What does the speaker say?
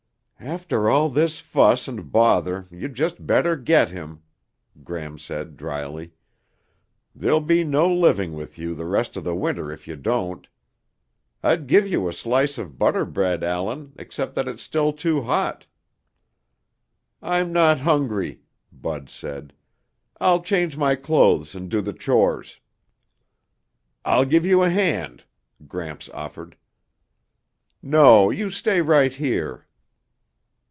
"After all this fuss and bother you'd just better get him," Gram said dryly. "There'll be no living with you the rest of the winter if you don't. I'd give you a slice of butter bread, Allan, except that it's still too hot." "I'm not hungry," Bud said. "I'll change my clothes and do the chores." "I'll give you a hand," Gramps offered. "No, you stay right here."